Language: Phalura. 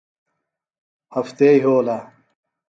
ہفتے یھولہ